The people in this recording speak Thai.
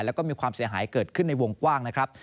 แล้วก็มีความเสียหายเกิดขึ้นในวงกว้างนะครับ